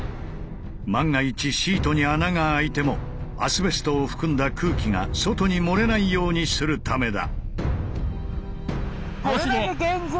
万が一シートに穴が開いてもアスベストを含んだ空気が外に漏れないようにするためだ。